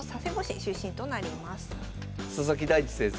佐々木大地先生。